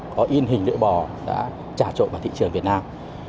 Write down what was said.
có in hình lưỡi bò đã trả trộn vào thị trường việt nam